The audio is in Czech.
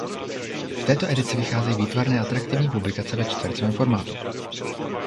V této edici vycházejí výtvarně atraktivní publikace ve čtvercovém formátu.